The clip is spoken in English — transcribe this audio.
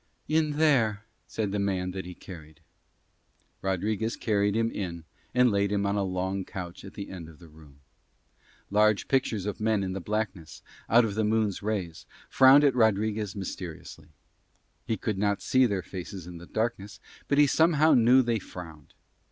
"In there," said the man that he carried. Rodriguez carried him in and laid him on a long couch at the end of the room. Large pictures of men in the blackness, out of the moon's rays, frowned at Rodriguez mysteriously. He could not see their faces in the darkness, but he somehow knew they frowned.